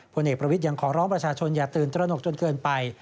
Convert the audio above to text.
ผลเอกประวิทย์ยังขอร้องประชาชนอย่าตื่นตระหนกจนเกินไป